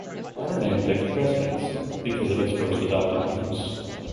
The latter name takes precedence because of its first adopted use.